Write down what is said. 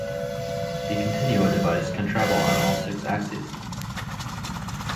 The continua device can travel on all six axes.